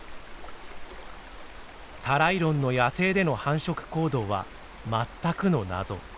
タライロンの野生での繁殖行動は全くの謎。